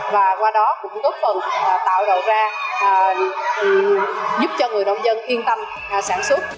và qua đó cũng tốt phần tạo đậu ra giúp cho người nông dân yên tâm